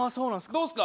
どうっすか？